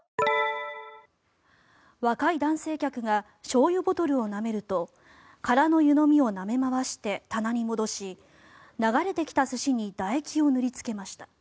若い男性客がしょうゆボトルをなめると空の湯飲みをなめ回して棚に戻し流れてきた寿司にだ液を塗りつけました。